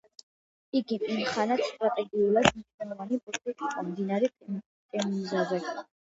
იგი იმ ხანად სტრატეგიულად მნიშვნელოვანი პორტი იყო მდინარე ტემზაზე.